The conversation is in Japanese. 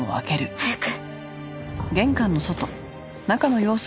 早く。